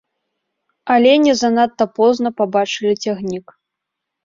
Алені занадта позна пабачылі цягнік.